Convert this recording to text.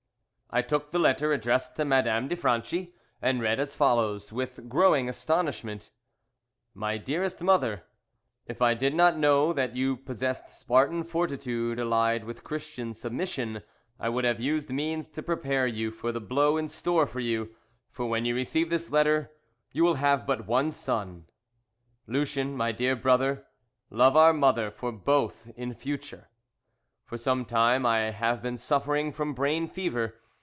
I took the letter addressed to Madame de Franchi, and read as follows, with growing astonishment: "MY DEAREST MOTHER, "If I did not know that you possessed Spartan fortitude allied with Christian submission, I would have used means to prepare you for the blow in store for you for when you receive this letter you will have but one son! "Lucien, my dear brother, love our mother for both in future. "For some time I have been suffering from brain fever.